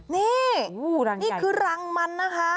นี่นี่คือรังมันนะคะ